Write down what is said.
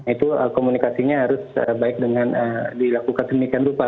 itu komunikasinya harus baik dengan dilakukan semikian rupa